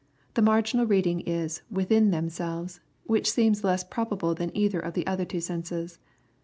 The marginal reading ii " within " themselves, which seems less probable than either of the otiber two senses.